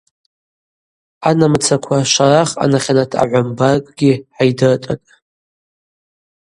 Анамыцаква Шварах анахьанат агӏвамбаркӏгьи гӏайдыртӏытӏ.